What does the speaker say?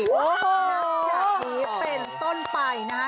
นับจากนี้เป็นต้นไปนะฮะ